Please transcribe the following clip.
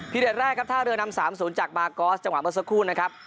เด็ดแรกครับท่าเรือนำ๓๐จากมากอสจังหวะเมื่อสักครู่นะครับ